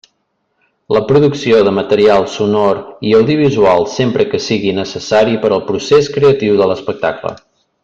La producció de material sonor i audiovisual, sempre que sigui necessari per al procés creatiu de l'espectacle.